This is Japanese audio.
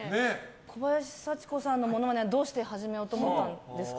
小林幸子さんのモノマネはどうして始めようと思ったんですか？